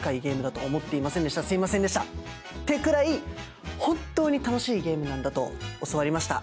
すいませんでしたってくらい本当に楽しいゲームなんだと教わりました。